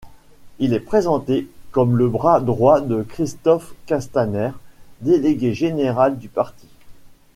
Il est présenté comme le bras droit de Christophe Castaner, délégué général du parti.